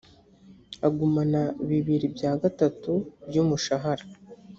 agumana bibiri bya gatatu by umushahara